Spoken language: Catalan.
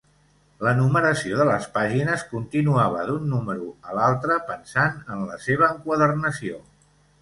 La numeració de les pàgines continuava d’un número a l’altre, pensant en la seva enquadernació.